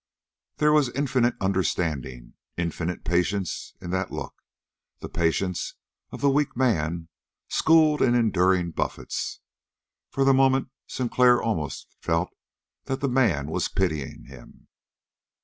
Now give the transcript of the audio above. There was infinite understanding, infinite patience in that look, the patience of the weak man, schooled in enduring buffets. For the moment Sinclair almost felt that the man was pitying him!